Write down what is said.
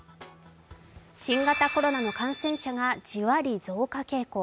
新型コロナの感染者がじわり増加傾向。